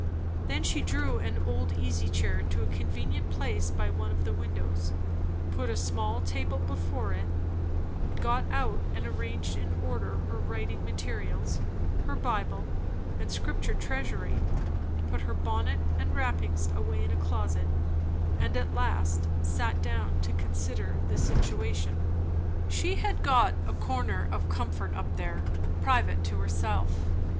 Then she drew an old easy chair to a convenient place by one of the windows; put a small table before it; got out and arranged in order her writing materials, her Bible and Scripture Treasury; put her bonnet and wrappings away in a closet; and at last sat down to consider the situation. She had got a corner of comfort up there, private to herself.